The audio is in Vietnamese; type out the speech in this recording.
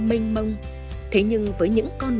giờ thì mình sẽ xuống ngã cửa sân